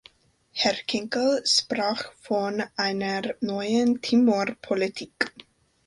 Herr Kinkel sprach von einer neuen Timor-Politik.